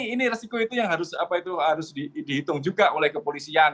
ini resiko itu yang harus dihitung juga oleh kepolisian